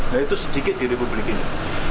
nah itu sedikit diri publik ini